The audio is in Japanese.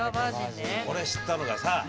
これ知ったのがさ